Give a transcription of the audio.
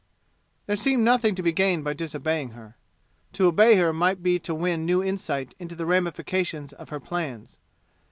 There seemed nothing to be gained by disobeying her. To obey her might be to win new insight into the ramifications of her plans.